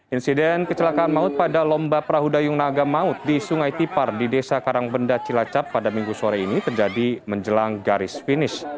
insiden kecelakaan maut pada lomba perahu dayung naga maut di sungai tipar di desa karangbenda cilacap pada minggu sore ini terjadi menjelang garis finish